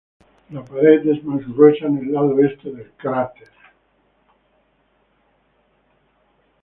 La pared es más gruesa en el lado este del cráter.